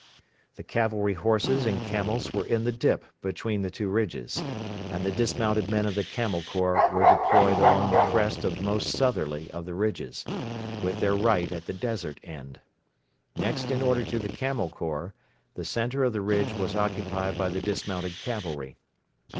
The cavalry horses and camels were in the dip between the two ridges; and the dismounted men of the Camel Corps were deployed along the crest of the most southerly of the ridges, with their right at the desert end. Next in order to the Camel Corps, the centre of the ridge was occupied by the dismounted cavalry.